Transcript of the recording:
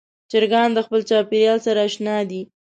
چرګان د خپل چاپېریال سره اشنا دي.